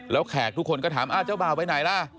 แล้วแขกทุกคนก็ถามเจ้าบ่าวไปไหนล่ะ